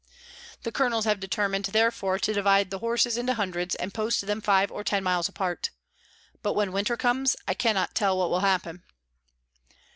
The colonels have determined therefore to divide the horses into hundreds, and post them five or ten miles apart. But when winter comes, I cannot tell what will happen."